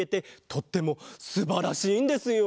とってもすばらしいんですよ。